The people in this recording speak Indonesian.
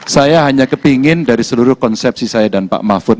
saya hanya kepingin dari seluruh konsepsi saya dan pak mahfud